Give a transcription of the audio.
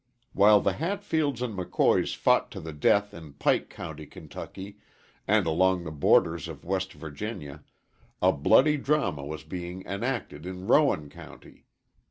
While the Hatfields and McCoys fought to the death in Pike County, Kentucky, and along the borders of West Virginia, a bloody drama was being enacted in Rowan County.